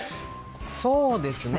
そうですね。